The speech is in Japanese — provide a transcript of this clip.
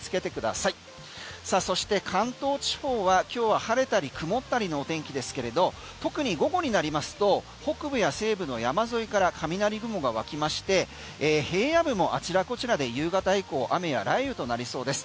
さあそして関東地方は今日は晴れたり曇ったりの天気ですけれど特に午後になりますと北部や西部の山沿いから雷雲が湧きまして平野部もあちらこちらで夕方以降雨や雷雨となりそうです。